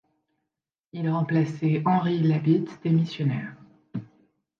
Il remplaçait Henri Labitte, démissionnaire.